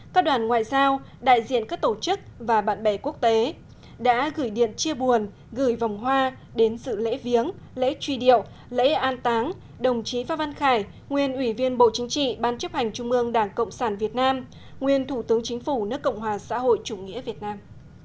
các đoàn ngoại giao đại diện các tổ chức và bạn bè quốc tế đã gửi điện chia buồn gửi vòng hoa đến sự lễ viếng lễ truy điệu lễ an táng đồng chí phan văn khải nguyên ủy viên bộ chính trị ban chấp hành trung ương đảng cộng sản việt nam nguyên thủ tướng chính phủ nước cộng hòa xã hội chủ nghĩa việt nam